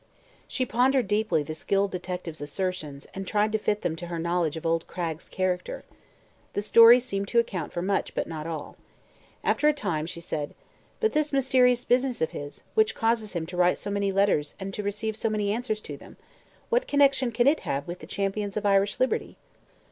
She pondered deeply the skilled detective's assertions and tried to fit them to her knowledge of old Cragg's character. The story seemed to account for much, but not all. After a time she said: "But this mysterious business of his, which causes him to write so many letters and to receive so many answers to them what connection can it have with the Champions of Irish Liberty?"